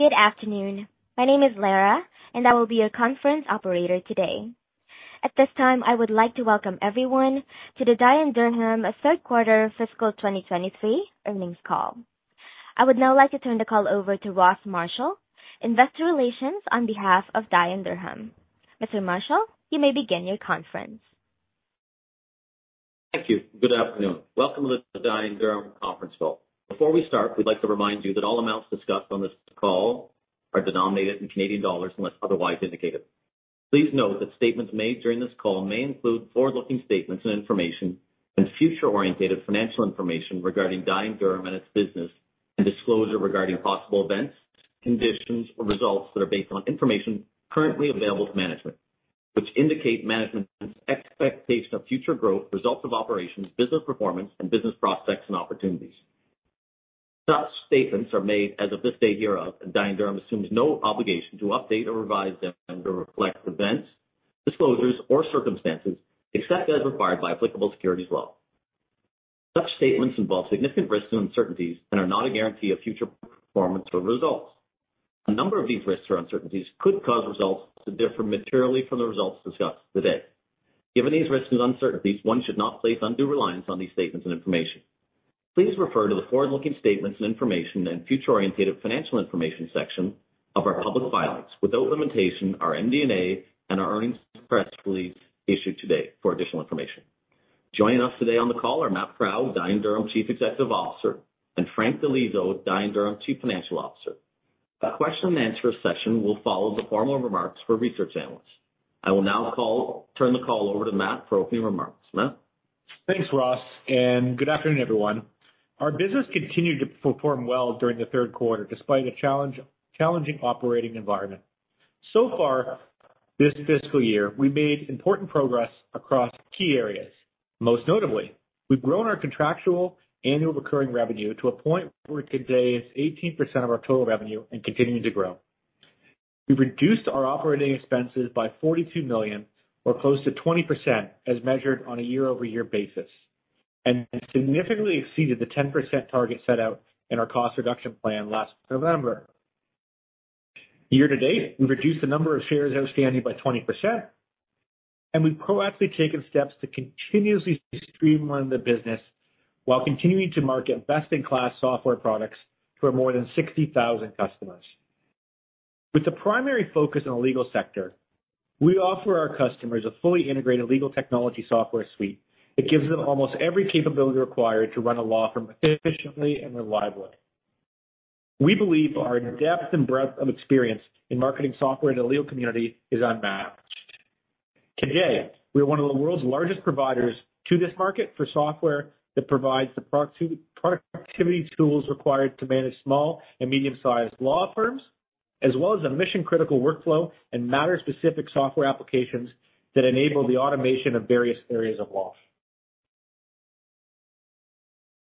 Good afternoon. My name is Laura, I will be your conference operator today. At this time, I would like to welcome everyone to the Dye & Durham third quarter fiscal 2023 earnings call. I would now like to turn the call over to Ross Marshall, Investor Relations on behalf of Dye & Durham. Mr. Marshall, you may begin your conference. Thank you. Good afternoon. Welcome to the Dye & Durham conference call. Before we start, we'd like to remind you that all amounts discussed on this call are denominated in Canadian dollars unless otherwise indicated. Please note that statements made during this call may include forward-looking statements and information and future-orientated financial information regarding Dye & Durham and its business, and disclosure regarding possible events, conditions, or results that are based on information currently available to management, which indicate management's expectation of future growth, results of operations, business performance, and business prospects and opportunities. Such statements are made as of this day hereof, and Dye & Durham assumes no obligation to update or revise them to reflect events, disclosures, or circumstances, except as required by applicable securities law. Such statements involve significant risks and uncertainties and are not a guarantee of future performance or results. A number of these risks or uncertainties could cause results to differ materially from the results discussed today. Given these risks and uncertainties, one should not place undue reliance on these statements and information. Please refer to the forward-looking statements and information and future-orientated financial information section of our public filings, without limitation, our MD&A and our earnings press release issued today for additional information. Joining us today on the call are Matt Proud, Dye & Durham Chief Executive Officer, and Frank Di Liso, Dye & Durham Chief Financial Officer. A question and answer session will follow the formal remarks for research analysts. I will now turn the call over to Matt for opening remarks. Matt? Thanks, Ross. Good afternoon, everyone. Our business continued to perform well during the third quarter, despite a challenging operating environment. Far this fiscal year, we made important progress across key areas. Most notably, we've grown our contractual annual recurring revenue to a point where today it's 18% of our total revenue and continuing to grow. We've reduced our operating expenses by 42 million or close to 20% as measured on a year-over-year basis, significantly exceeded the 10% target set out in our cost reduction plan last November. Year to date, we've reduced the number of shares outstanding by 20%. We've proactively taken steps to continuously streamline the business while continuing to market best-in-class software products to our more than 60,000 customers. With the primary focus on the legal sector, we offer our customers a fully integrated legal technology software suite that gives them almost every capability required to run a law firm efficiently and reliably. We believe our depth and breadth of experience in marketing software in the legal community is unmatched. Today, we are one of the world's largest providers to this market for software that provides the productivity tools required to manage small and medium-sized law firms, as well as a mission-critical workflow and matter-specific software applications that enable the automation of various areas of law.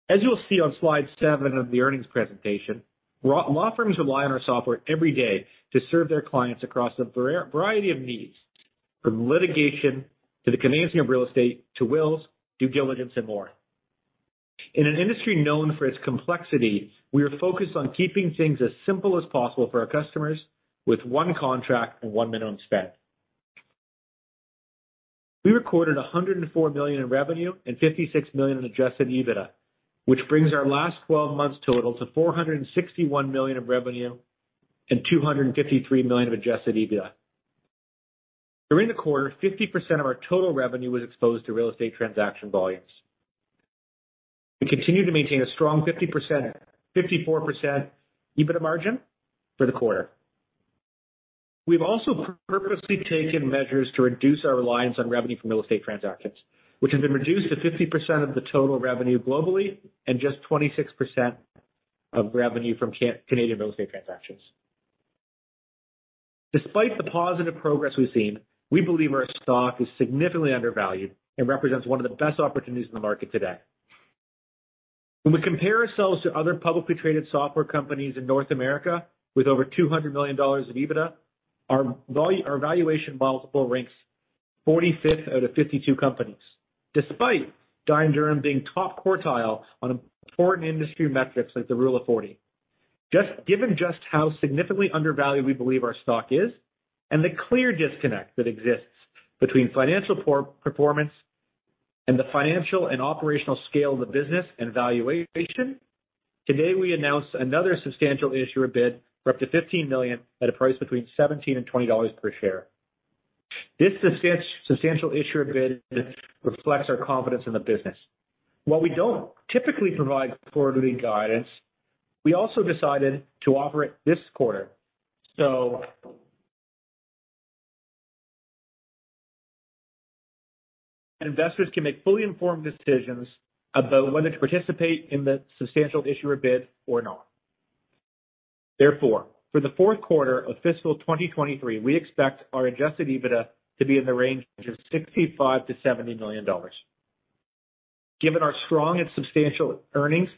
As you'll see on slide seven of the earnings presentation, law firms rely on our software every day to serve their clients across a variety of needs, from litigation to the conveyancing of real estate, to wills, due diligence, and more. In an industry known for its complexity, we are focused on keeping things as simple as possible for our customers with one contract and one minimum spend. We recorded 104 million in revenue and 56 million in Adjusted EBITDA, which brings our last 12 months total to 461 million of revenue and 253 million of Adjusted EBITDA. During the quarter, 50% of our total revenue was exposed to real estate transaction volumes. We continued to maintain a strong 50%, 54% EBITDA margin for the quarter. We've also purposely taken measures to reduce our reliance on revenue from real estate transactions, which has been reduced to 50% of the total revenue globally and just 26% of revenue from Canadian real estate transactions. Despite the positive progress we've seen, we believe our stock is significantly undervalued and represents one of the best opportunities in the market today. When we compare ourselves to other publicly traded software companies in North America with over 200 million dollars of EBITDA, our valuation multiple ranks 45th out of 52 companies, despite Dye & Durham being top quartile on important industry metrics like the Rule of 40. Given just how significantly undervalued we believe our stock is and the clear disconnect that exists between financial performance and the financial and operational scale of the business and valuation, today we announce another substantial issuer bid for up to 15 million at a price between 17 and 20 dollars per share. This substantial issuer bid reflects our confidence in the business. While we don't typically provide quarterly guidance, we also decided to offer it this quarter so investors can make fully informed decisions about whether to participate in the substantial issuer bid or not. For the fourth quarter of fiscal 2023, we expect our Adjusted EBITDA to be in the range of 65 million-70 million dollars. Given our strong and substantial earnings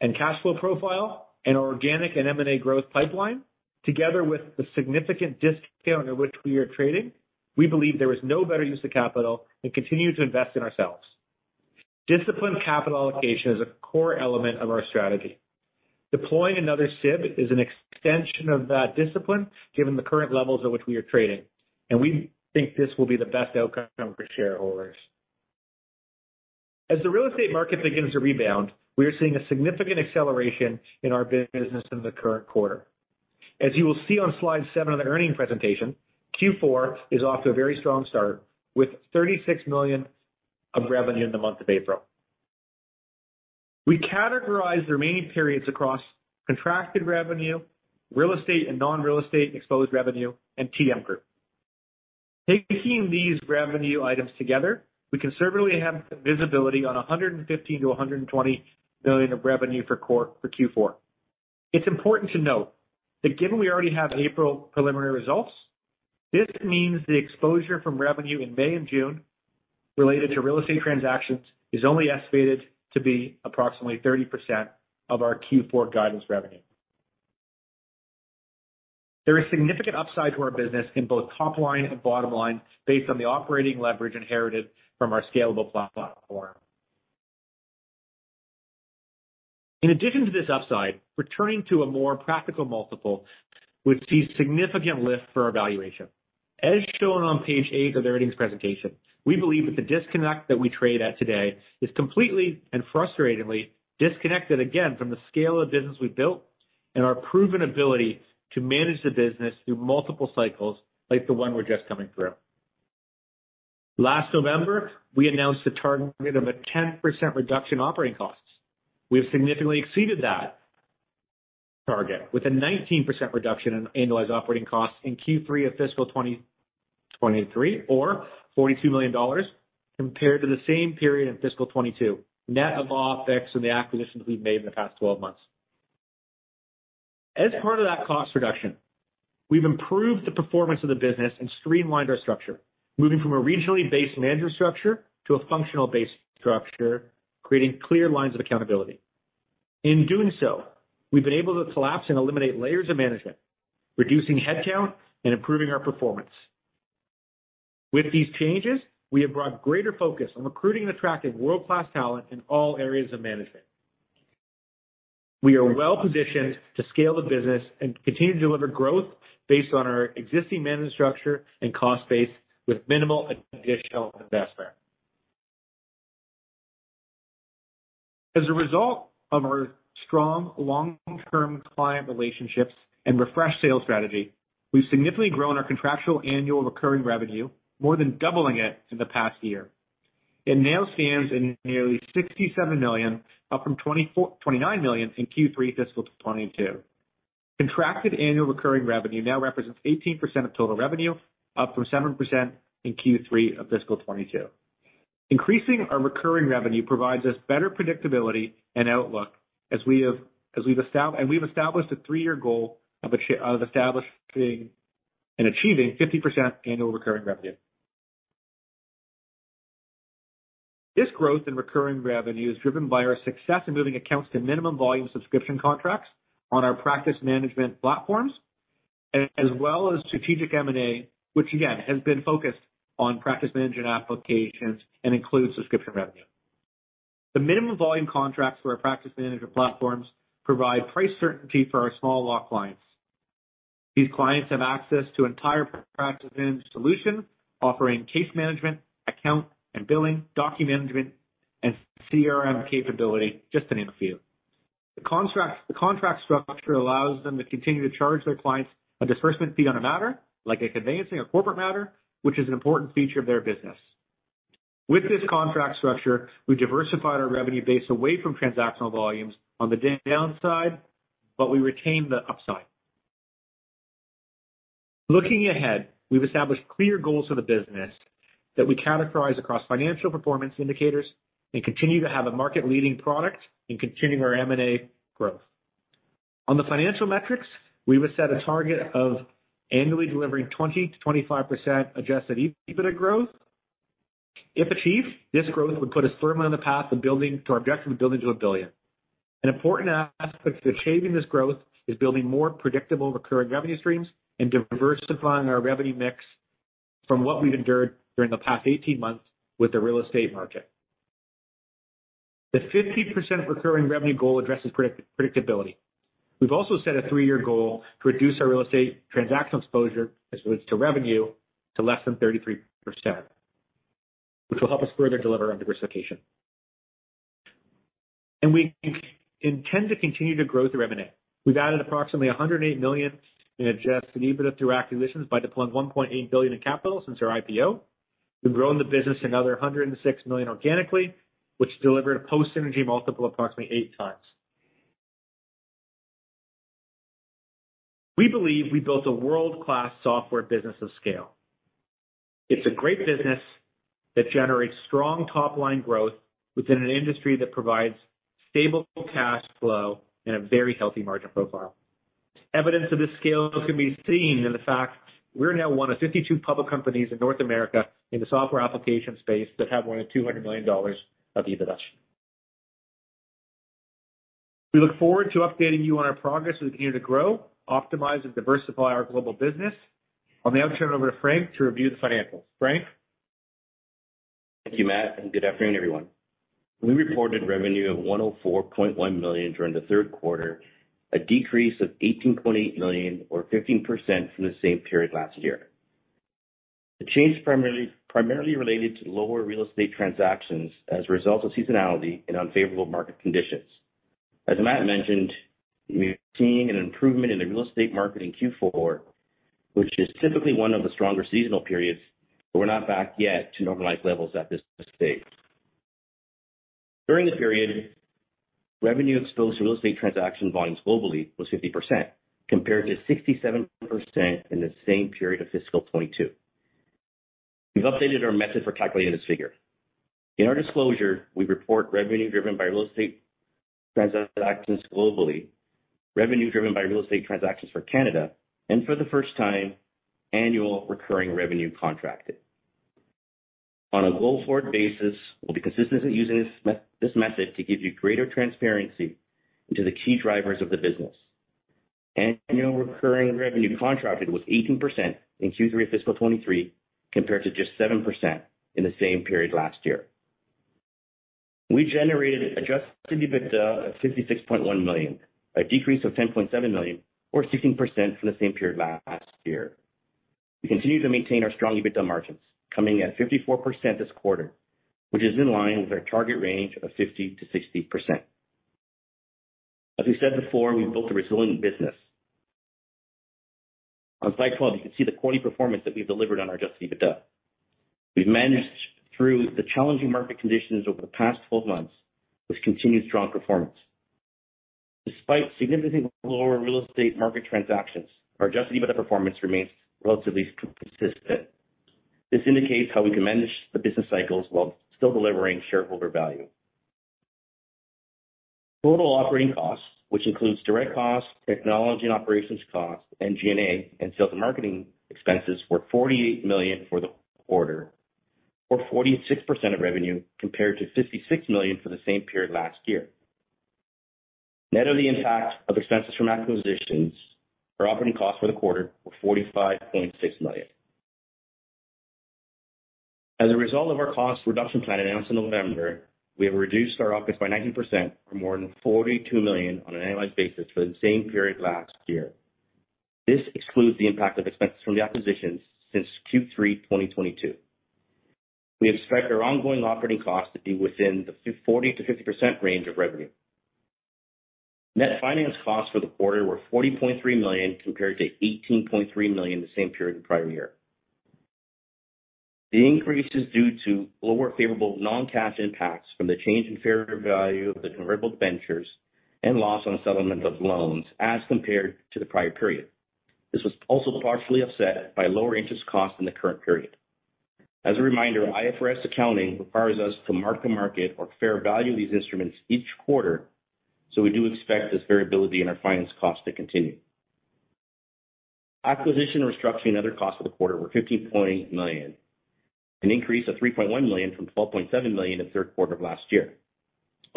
and cash flow profile and organic and M&A growth pipeline, together with the significant discount under which we are trading, we believe there is no better use of capital than continuing to invest in ourselves. Disciplined capital allocation is a core element of our strategy. Deploying another SIB is an extension of that discipline, given the current levels at which we are trading, and we think this will be the best outcome for shareholders. As the real estate market begins to rebound, we are seeing a significant acceleration in our business in the current quarter. As you will see on slide seven of the earnings presentation, Q4 is off to a very strong start with 36 million of revenue in the month of April. We categorize the remaining periods across contracted revenue, real estate and non-real estate exposed revenue, and TM Group. Taking these revenue items together, we conservatively have visibility on 115 million-120 million of revenue for core for Q4. It's important to note that given we already have April preliminary results, this means the exposure from revenue in May and June related to real estate transactions is only estimated to be approximately 30% of our Q4 guidance revenue. There is significant upside to our business in both top line and bottom line based on the operating leverage inherited from our scalable platform. In addition to this upside, returning to a more practical multiple would see significant lift for our valuation. As shown on page eight of the earnings presentation, we believe that the disconnect that we trade at today is completely and frustratingly disconnected again from the scale of business we've built and our proven ability to manage the business through multiple cycles like the one we're just coming through. Last November, we announced a target of a 10% reduction operating costs. We have significantly exceeded that target with a 19% reduction in annualized operating costs in Q3 of fiscal 2023 or 42 million dollars compared to the same period in fiscal 2022. Net of all effects and the acquisitions we've made in the past 12 months. As part of that cost reduction, we've improved the performance of the business and streamlined our structure, moving from a regionally based manager structure to a functional based structure, creating clear lines of accountability. In doing so, we've been able to collapse and eliminate layers of management, reducing headcount and improving our performance. With these changes, we have brought greater focus on recruiting and attracting world-class talent in all areas of management. We are well-positioned to scale the business and continue to deliver growth based on our existing management structure and cost base with minimal additional investment. As a result of our strong long-term client relationships and refreshed sales strategy, we've significantly grown our contractual annual recurring revenue, more than doubling it in the past year. It now stands in nearly 67 million, up from 29 million in Q3 fiscal 2022. Contracted annual recurring revenue now represents 18% of total revenue, up from 7% in Q3 of fiscal 2022. Increasing our recurring revenue provides us better predictability and outlook as we've established a three-year goal of establishing and achieving 50% annual recurring revenue. This growth in recurring revenue is driven by our success in moving accounts to minimum volume subscription contracts on our practice management platforms, as well as strategic M&A, which again, has been focused on practice management applications and includes subscription revenue. The minimum volume contracts for our practice management platforms provide price certainty for our small law clients. These clients have access to entire practice management solution, offering case management, account and billing, doc management, and CRM capability, just to name a few. The contract structure allows them to continue to charge their clients a disbursement fee on a matter, like a conveyancing or corporate matter, which is an important feature of their business. With this contract structure, we diversified our revenue base away from transactional volumes on the downside, we retained the upside. Looking ahead, we've established clear goals for the business that we characterize across financial performance indicators and continue to have a market-leading product in continuing our M&A growth. On the financial metrics, we have set a target of annually delivering 20%-25% Adjusted EBITDA growth. If achieved, this growth would put us firmly on the path of building to our objective of building to a billion. An important aspect to achieving this growth is building more predictable recurring revenue streams and diversifying our revenue mix from what we've endured during the past 18 months with the real estate market. The 50% recurring revenue goal addresses predictability. We've also set a three-year goal to reduce our real estate transaction exposure as it relates to revenue to less than 33%, which will help us further deliver on diversification. We intend to continue to grow through M&A. We've added approximately 108 million in Adjusted EBITDA through acquisitions by deploying 1.8 billion in capital since our IPO. We've grown the business another 106 million organically, which delivered a post-synergy multiple approximately eight times. We believe we built a world-class software business of scale. It's a great business that generates strong top-line growth within an industry that provides stable cash flow and a very healthy margin profile. Evidence of this scale can be seen in the fact we're now one of 52 public companies in North America in the software application space that have more than 200 million dollars of EBITDA. We look forward to updating you on our progress as we continue to grow, optimize, and diversify our global business. I'll now turn it over to Frank to review the financials. Frank? Thank you, Matt. Good afternoon, everyone. We reported revenue of 104.1 million during the third quarter, a decrease of 18.8 million or 15% from the same period last year. The change primarily related to lower real estate transactions as a result of seasonality and unfavorable market conditions. As Matt mentioned, we've seen an improvement in the real estate market in Q4, which is typically one of the stronger seasonal periods, but we're not back yet to normalized levels at this stage. During the period, revenue exposed to real estate transaction volumes globally was 50%, compared to 67% in the same period of fiscal 2022. We've updated our method for calculating this figure. In our disclosure, we report revenue driven by real estate transactions globally, revenue driven by real estate transactions for Canada, and for the first time, annual recurring revenue contracted. On a go-forward basis, we'll be consistently using this method to give you greater transparency into the key drivers of the business. Annual recurring revenue contracted was 18% in Q3 fiscal 2023, compared to just 7% in the same period last year. We generated Adjusted EBITDA of 66.1 million, a decrease of 10.7 million or 16% from the same period last year. We continue to maintain our strong EBITDA margins, coming at 54% this quarter, which is in line with our target range of 50%-60%. We've built a resilient business. On slide 12, you can see the quarterly performance that we've delivered on our adjusted EBITDA. We've managed through the challenging market conditions over the past 12 months with continued strong performance. Despite significantly lower real estate market transactions, our Adjusted EBITDA performance remains relatively consistent. This indicates how we can manage the business cycles while still delivering shareholder value. Total operating costs, which includes direct costs, technology and operations costs, and G&A, and sales and marketing expenses, were 48 million for the quarter, or 46% of revenue compared to 56 million for the same period last year. Net of the impact of expenses from acquisitions, our operating costs for the quarter were 45.6 million. As a result of our cost reduction plan announced in November, we have reduced our OpEx by 19% or more than 42 million on an annualized basis for the same period last year. This excludes the impact of expenses from the acquisitions since Q3 2022. We expect our ongoing operating costs to be within the 40%-50% range of revenue. Net finance costs for the quarter were 40.3 million compared to 18.3 million the same period in prior year. The increase is due to lower favorable non-cash impacts from the change in fair value of the convertible debentures and loss on settlement of loans as compared to the prior period. This was also partially offset by lower interest costs in the current period. As a reminder, IFRS accounting requires us to mark the market or fair value of these instruments each quarter, so we do expect this variability in our finance costs to continue. Acquisition, restructuring, and other costs for the quarter were 15.8 million, an increase of 3.1 million from 12.7 million in third quarter of last year.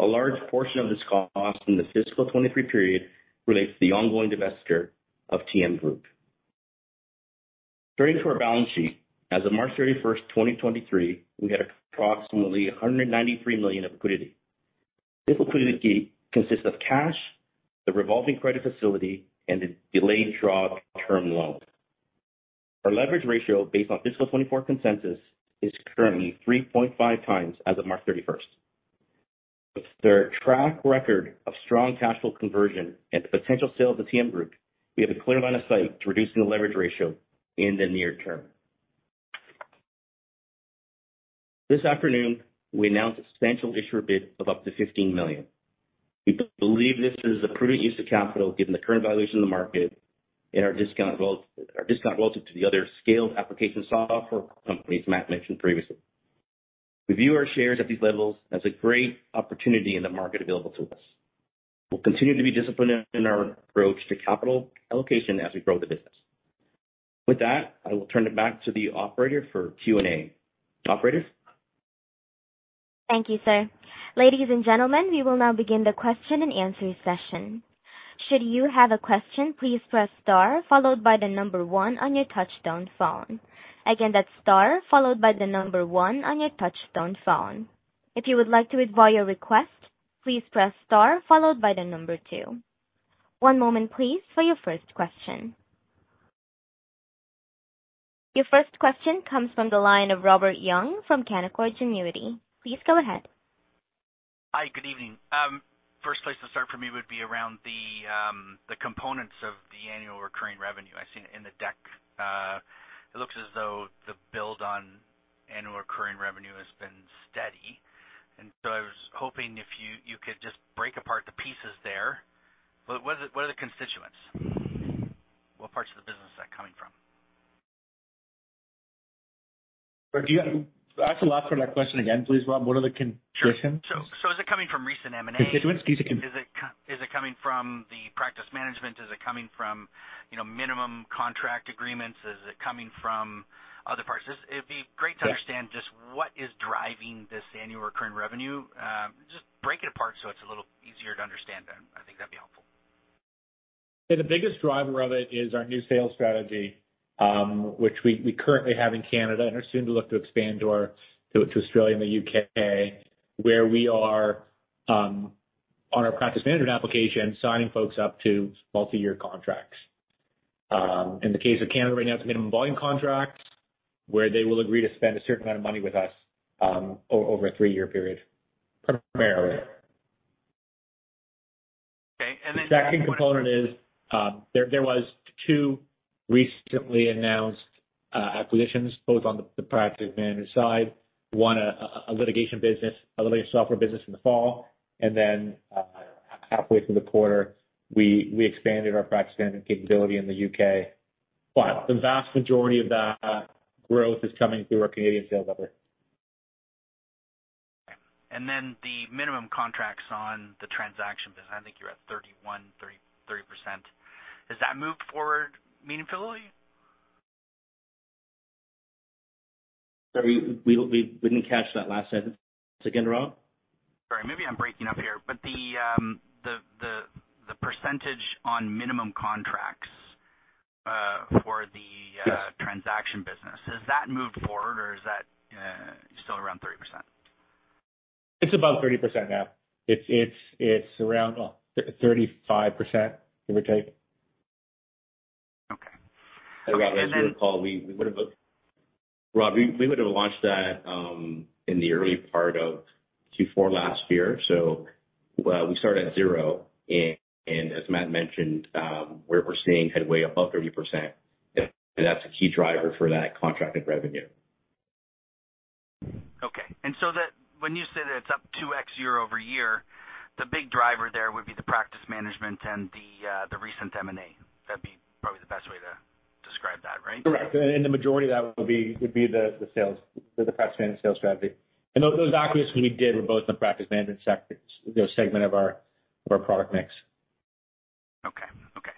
A large portion of this cost in the fiscal 2023 period relates to the ongoing divestiture of TM Group. Turning to our balance sheet, as of March 31st, 2023, we had approximately 193 million of liquidity. This liquidity consists of cash, the revolving credit facility, and the delayed draw term loan. Our leverage ratio based on fiscal 2024 consensus is currently 3.5x as of March 31st. With our track record of strong cash flow conversion and the potential sale of the TM Group, we have a clear line of sight to reducing the leverage ratio in the near term. This afternoon, we announced a substantial issuer bid of up to 15 million. We believe this is a prudent use of capital given the current valuation of the market and our discount relative to the other scaled application software companies Matt mentioned previously. We view our shares at these levels as a great opportunity in the market available to us. We'll continue to be disciplined in our approach to capital allocation as we grow the business. With that, I will turn it back to the operator for Q&A. Operator? Thank you, sir. Ladies and gentlemen, we will now begin the question-and-answer session. Should you have a question, please press star followed by one on your touchtone phone. Again, that's star followed by one on your touchtone phone. If you would like to withdraw your request, please press star followed by two. One moment please for your first question. Your first question comes from the line of Robert Young from Canaccord Genuity. Please go ahead. Hi, good evening. first place to start for me would be around the components of the annual recurring revenue. I've seen it in the deck. it looks as though the build on annual recurring revenue has been steady, and so I was hoping if you could just break apart the pieces there. What are the constituents? What parts of the business is that coming from? I have to ask for that question again, please, Rob. What are the constituents? Sure. Is it coming from recent M&A? Constituents. Is it coming from the practice management? Is it coming from, you know, minimum contract agreements? Is it coming from other parts? It'd be great to understand just what is driving this annual recurring revenue. Just break it apart so it's a little easier to understand then. The biggest driver of it is our new sales strategy, which we currently have in Canada and are soon to look to expand to Australia and the U.K., where we are, on our practice management application, signing folks up to multiyear contracts. In the case of Canada right now, it's a minimum volume contract where they will agree to spend a certain amount of money with us, over a three-year period, primarily. Okay, and then- The second component is, there was two recently announced acquisitions, both on the practice management side. One, a litigation business, a litigation software business in the fall. Halfway through the quarter, we expanded our practice management capability in the U.K. The vast majority of that growth is coming through our Canadian sales effort. The minimum contracts on the transaction business, I think you're at 30%. Has that moved forward meaningfully? Sorry, we didn't catch that last sentence again, Rob. Sorry, maybe I'm breaking up here. The percentage on minimum contracts. Yes. -transaction business, has that moved forward or is that, still around 30%? It's above 30% now. It's around, well, 35%, give or take. Okay. Rob, as you recall, we would have launched that in the early part of Q4 last year. We started at zero. As Matt mentioned, we're seeing headway above 30%, and that's a key driver for that contracted revenue. Okay. When you say that it's up 2x year-over-year, the big driver there would be the practice management and the recent M&A. That'd be probably the best way to describe that, right? Correct. The majority of that would be the sales, the practice management sales strategy. Those acquisitions we did were both in the practice management segment of our product mix. Okay, okay.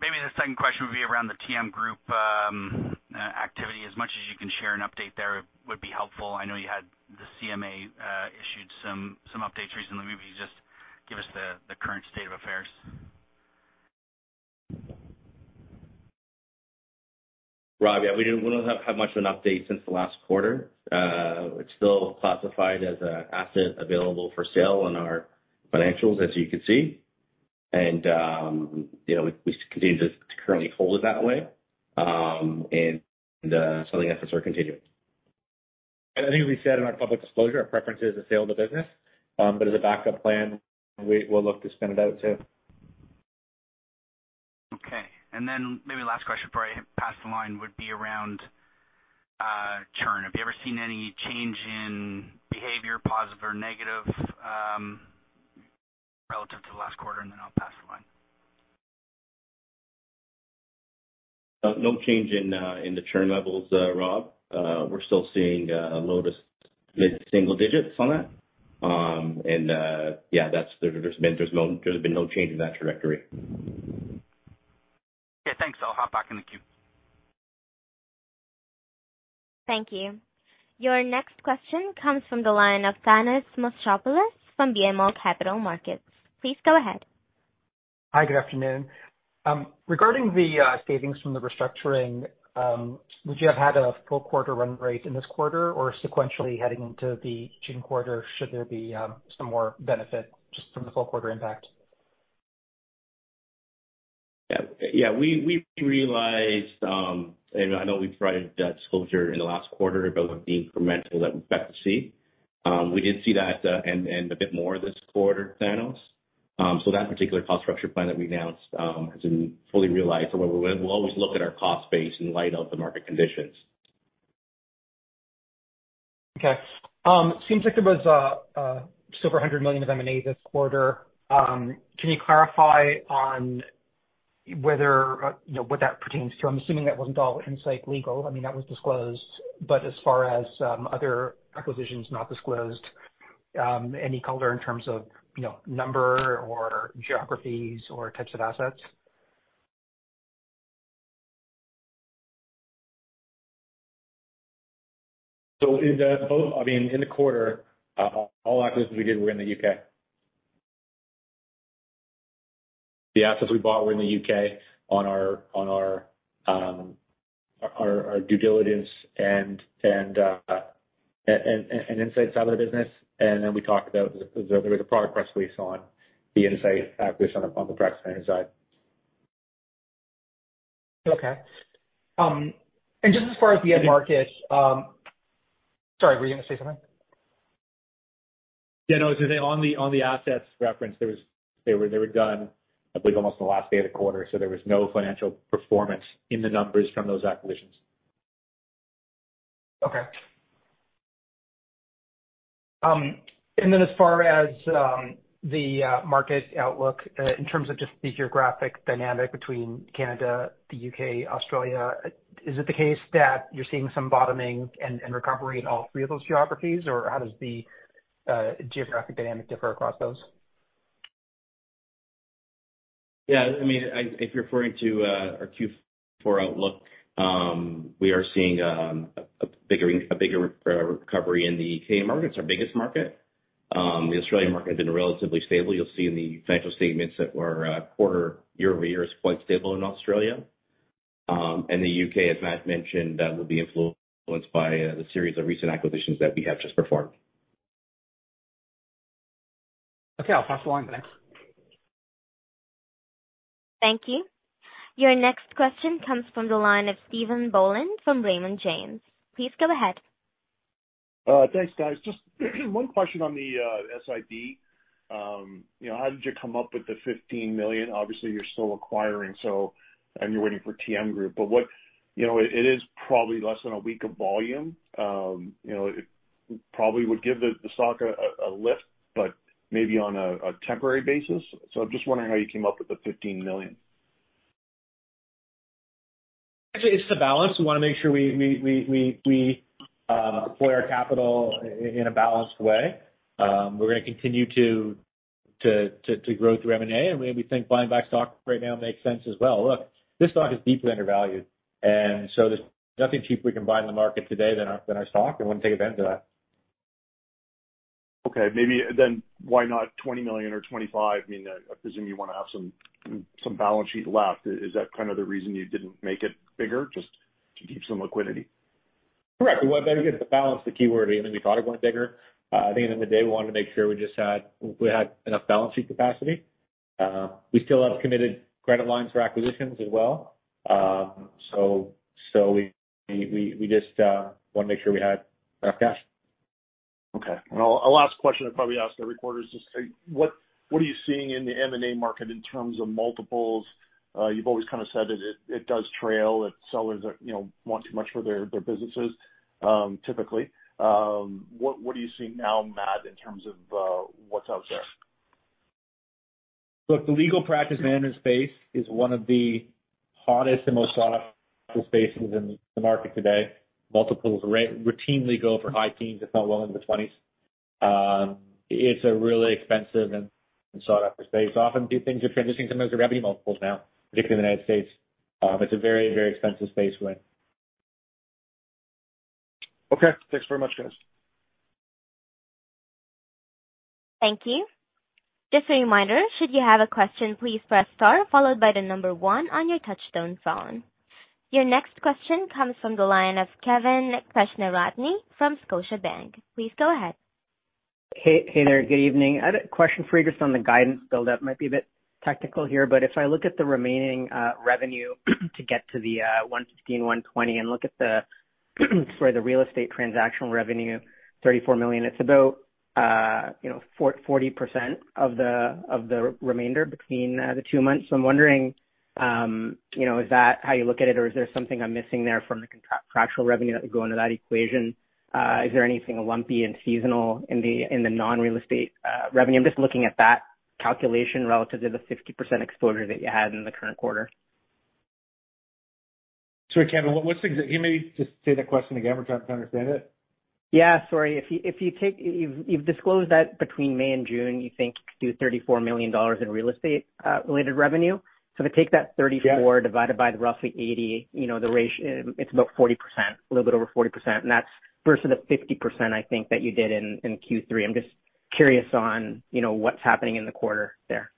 Maybe the second question would be around the TM Group activity. As much as you can share an update there would be helpful. I know you had the CMA issued some updates recently. Maybe you just give us the current state of affairs. Rob, yeah, we don't, we don't have much of an update since the last quarter. It's still classified as a asset available for sale on our financials, as you can see. You know, we continue to currently hold it that way, and selling efforts are continuing. I think we said in our public disclosure, our preference is to sell the business. As a backup plan, we will look to spin it out too. Okay. maybe last question before I pass the line would be around churn. Have you ever seen any change in behavior, positive or negative, relative to last quarter? I'll pass the line. No change in the churn levels, Rob. We're still seeing low to mid-single digits on it. Yeah, there's been no change in that trajectory. Okay, thanks. I'll hop back in the queue. Thank you. Your next question comes from the line of Thanos Moschopoulos from BMO Capital Markets. Please go ahead. Hi, good afternoon. Regarding the savings from the restructuring, would you have had a full quarter run rate in this quarter or sequentially heading into the June quarter, should there be some more benefit just from the full quarter impact? Yeah, we realized, I know we provided that disclosure in the last quarter about the incremental that we expect to see. We did see that, and a bit more this quarter, Thanos. That particular cost structure plan that we announced, has been fully realized. We'll always look at our cost base in light of the market conditions. Okay. Seems like there was just over 100 million of M&A this quarter. Can you clarify on whether, you know, what that pertains to? I'm assuming that wasn't all Insight Legal. I mean, that was disclosed, but as far as, other acquisitions not disclosed, any color in terms of, you know, number or geographies or types of assets? In the quarter, I mean, all acquisitions we did were in the U.K. The assets we bought were in the U.K. on our due diligence and Insight side of the business. We talked about, there was a product press release on the Insight acquisition on the practice management side. Okay. Just as far as the end market... Sorry, were you gonna say something? Yeah, no. As I said, on the assets referenced, they were done, I believe, almost in the last day of the quarter, so there was no financial performance in the numbers from those acquisitions. Okay. As far as the market outlook, in terms of just the geographic dynamic between Canada, the U.K., Australia, is it the case that you're seeing some bottoming and recovery in all three of those geographies? Or how does the geographic dynamic differ across those? Yeah, I mean, if you're referring to, our Q4... For outlook, we are seeing a bigger recovery in the U.K. markets, our biggest market. The Australian market has been relatively stable. You'll see in the financial statements that were quarter year-over-year is quite stable in Australia. The U.K., as Matt mentioned, that will be influenced by the series of recent acquisitions that we have just performed. Okay, I'll pass along the next. Thank you. Your next question comes from the line of Stephen Boland from Raymond James. Please go ahead. Thanks, guys. Just one question on the SIB. You know, how did you come up with the 15 million? Obviously, you're still acquiring, and you're waiting for TM Group. You know, it is probably less than a week of volume. You know, it probably would give the stock a lift, but maybe on a temporary basis. Just wondering how you came up with the 15 million. Actually, it's the balance. We wanna make sure we deploy our capital in a balanced way. We're gonna continue to grow through M&A, and we think buying back stock right now makes sense as well. Look, this stock is deeply undervalued, and so there's nothing cheaper we can buy in the market today than our stock. I wanna take advantage of that. Okay. Maybe why not 20 million or 25 million? I mean, I presume you wanna have some balance sheet left. Is that kind of the reason you didn't make it bigger just to keep some liquidity? Correct. Well, again, the balance is the key word. I mean, we thought of going bigger. I think end of the day, we wanted to make sure we just had enough balance sheet capacity. We still have committed credit lines for acquisitions as well. We just wanna make sure we had enough cash. Okay. A last question I probably ask every quarter is just, what are you seeing in the M&A market in terms of multiples? You've always kinda said that it does trail. Its sellers are, you know, want too much for their businesses, typically. What are you seeing now, Matt, in terms of what's out there? Look, the legal practice management space is one of the hottest and most sought after spaces in the market today. Multiples routinely go for high teens, if not well into 20s. It's a really expensive and sought after space. Often these things are transitioning sometimes to revenue multiples now, particularly in the United States. It's a very, very expensive space we're in. Thanks very much, guys. Thank you. Just a reminder, should you have a question, please press star followed by the number one on your touch-tone phone. Your next question comes from the line of Kevin Krishnaratne from Scotiabank. Please go ahead. Hey there. Good evening. I had a question for you just on the guidance build-up. Might be a bit technical here, but if I look at the remaining revenue to get to the 115 million, 120 million and look at the, sorry, the real estate transactional revenue, 34 million, it's about, you know, 40% of the remainder between the two months. I'm wondering, you know, is that how you look at it, or is there something I'm missing there from the contractual revenue that would go into that equation? Is there anything lumpy and seasonal in the, in the non-real estate revenue? I'm just looking at that calculation relative to the 50% exposure that you had in the current quarter. Sorry, Kevin, can you maybe just say that question again? We're trying to understand it. Yeah. Sorry. If you take -- You've disclosed that between May and June, you think do 34 million dollars in real estate related revenue. If I take that 34 million Yeah. divided by the roughly 80, you know, the ratio, it's about 40%, a little bit over 40%. That's versus the 50% I think that you did in Q3. I'm just curious on, you know, what's happening in the quarter there.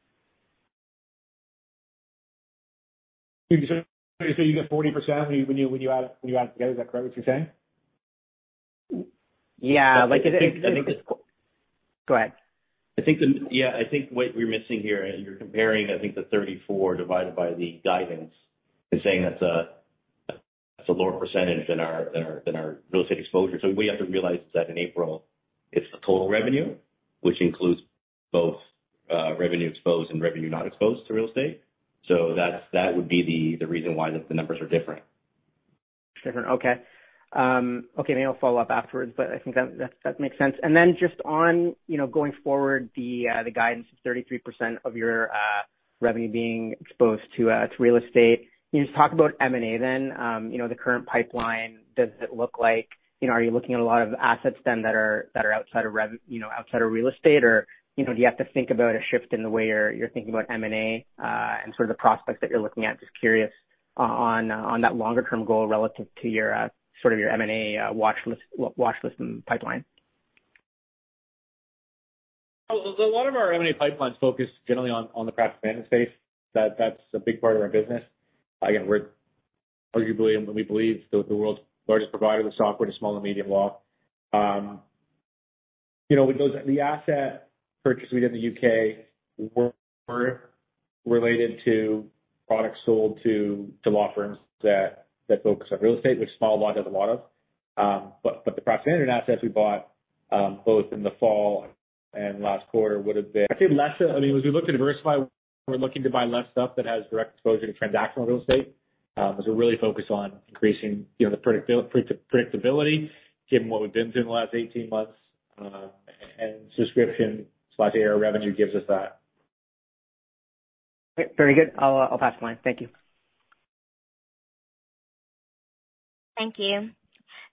You get 40% when you add it together. Is that correct what you're saying? Yeah. Like, I think it's- I think. Go ahead. I think what you're missing here, you're comparing, I think, the 34 divided by the guidance and saying that's a lower percentage than our real estate exposure. What you have to realize is that in April, it's the total revenue, which includes both revenue exposed and revenue not exposed to real estate. That would be the reason why the numbers are different. It's different. Okay. Okay, maybe I'll follow up afterwards, but I think that makes sense. Just on, you know, going forward the guidance of 33% of your revenue being exposed to real estate. Can you just talk about M&A then? You know, the current pipeline, does it look like... You know, are you looking at a lot of assets then that are outside of, you know, outside of real estate, or, you know, do you have to think about a shift in the way you're thinking about M&A and sort of the prospects that you're looking at? Just curious on that longer term goal relative to your sort of your M&A watchlist pipeline. A lot of our M&A pipeline is focused generally on the practice management space. That's a big part of our business. We're arguably and we believe the world's largest provider of software to small and medium law. You know, the asset purchase we did in the U.K. were related to products sold to law firms that focus on real estate, which Small Law doesn't want of. But the proximity and assets we bought both in the fall and last quarter would have been, I think, less of. I mean, as we look to diversify, we're looking to buy less stuff that has direct exposure to transactional real estate, because we're really focused on increasing, you know, the predictability given what we've been through in the last 18 months, and subscription/ARR revenue gives us that. Very good. I'll pass the line. Thank you. Thank you.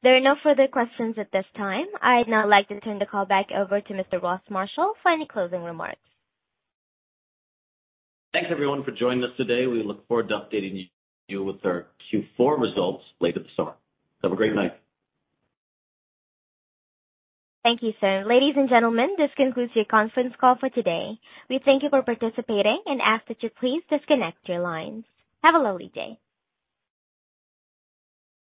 There are no further questions at this time. I'd now like to turn the call back over to Mr. Ross Marshall for any closing remarks. Thanks, everyone, for joining us today. We look forward to updating you with our Q4 results later this summer. Have a great night. Thank you, sir. Ladies and gentlemen, this concludes your conference call for today. We thank you for participating and ask that you please disconnect your lines. Have a lovely day.